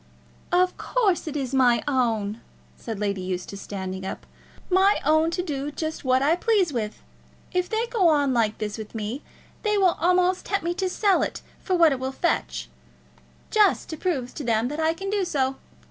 "Of course it is my own," said Lady Eustace, standing up, "my own to do just what I please with. If they go on like this with me, they will almost tempt me to sell it for what it will fetch, just to prove to them that I can do so.